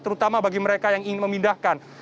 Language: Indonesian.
terutama bagi mereka yang ingin memindahkan